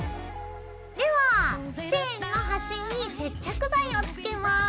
ではチェーンのはしに接着剤をつけます。